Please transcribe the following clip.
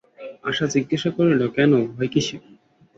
আশা জিজ্ঞাসা করিল, কেন, ভয় কিসের।